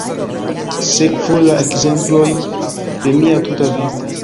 Sekvu la ekzemplojn de mia tuta vivo.